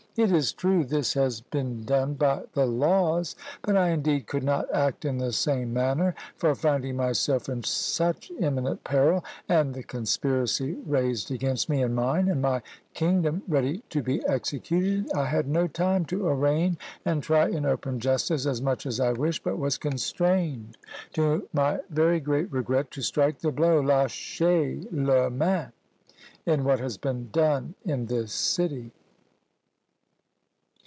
It is true this has been done by the laws, but I indeed could not act in the same manner; for finding myself in such imminent peril, and the conspiracy raised against me and mine, and my kingdom, ready to be executed, I had no time to arraign and try in open justice as much as I wished, but was constrained, to my very great regret, to strike the blow (lascher le main) in what has been done in this city."